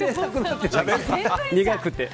苦くて。